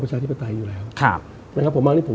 ผมเองกับคุณอุ้งอิ๊งเองเราก็รักกันเหมือนน้อง